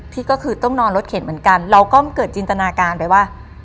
ที่ก็คือต้องนอนรถเข็นเหมือนกันเราก็เกิดจินตนาการไปว่า